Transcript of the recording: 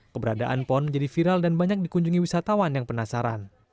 keberadaan pon menjadi viral dan banyak dikunjungi wisatawan yang penasaran